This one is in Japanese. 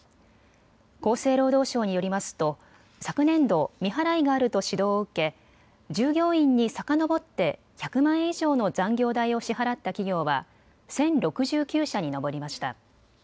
厚生労働省によりますと昨年度未払いがあると指導を受け従業員にさかのぼって１００万円以上の残業代を支払った企業は１０６９社に上りました。